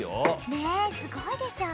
ねっすごいでしょ。